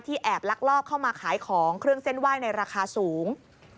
แอบลักลอบเข้ามาขายของเครื่องเส้นไหว้ในราคาสูง